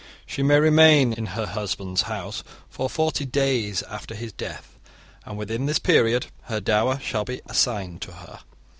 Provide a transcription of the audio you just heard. She may remain in her husband's house for forty days after his death, and within this period her dower shall be assigned to her.